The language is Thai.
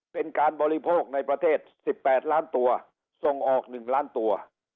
เป็นการบริโภคในประเทศ๑๘ล้านตัวส่งออก๑ล้านตัว